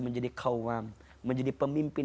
menjadi kaumam menjadi pemimpin